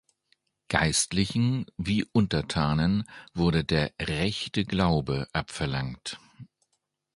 Geistlichen wie Untertanen wurde der „rechte Glaube“ abverlangt.